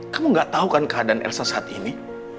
kamu gak tahu kan keadaan elsa saat ini